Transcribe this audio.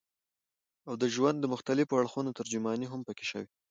او د ژوند د مختلفو اړخونو ترجماني هم پکښې شوې ده